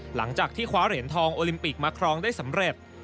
หลังจากที่คว้าเหรียญทองโอลิมปิกมาครองได้สำเร็จ